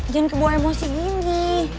jangan kebawa emosi gini